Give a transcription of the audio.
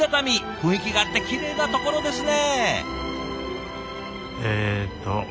雰囲気があってきれいなところですね。